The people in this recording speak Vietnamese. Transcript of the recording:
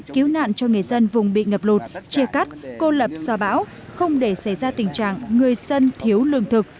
cứu nạn cho người dân vùng bị ngập lụt chia cắt cô lập do bão không để xảy ra tình trạng người dân thiếu lương thực